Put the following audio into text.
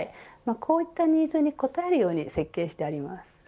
こういったニーズに応えるように設計してあります。